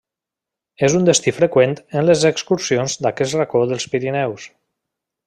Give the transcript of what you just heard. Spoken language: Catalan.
És un destí freqüent en les excursions d'aquest racó dels Pirineus.